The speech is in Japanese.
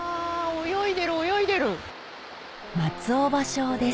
泳いでる泳いでる。